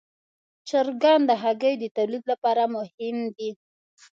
چرګان د هګیو د تولید لپاره مهم دي.